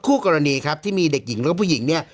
คู่กรณีครับที่มีเด็กหญิงแล้วก็ผู้หญิงเนี่ย